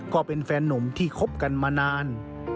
ก็เป็นแฟนหนุ่มที่คบกันมานาน